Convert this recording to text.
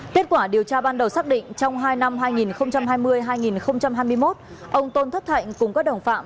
kết quả điều tra ban đầu xác định trong hai năm hai nghìn hai mươi hai nghìn hai mươi một ông tôn thất thạnh cùng các đồng phạm